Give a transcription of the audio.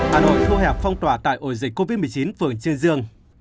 hà nội thu hẹp phong tỏa tại ổ dịch covid một mươi chín phường trương dương